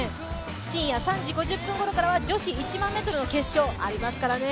深夜３時５０分ごろからは女子１００００ｍの決勝ありますからね。